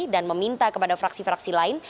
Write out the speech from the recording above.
dan meminta kepada fraksi fraksi lain